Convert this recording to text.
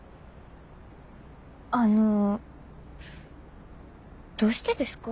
あのどうしてですか？